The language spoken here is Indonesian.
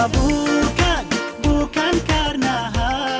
bukan bukan karena hati